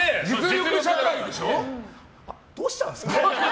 どうしたらいいんですか。